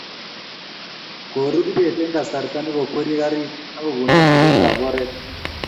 koru kibet eng' kasarta ne kokkwerie garit ak kon nyasutiet ab oret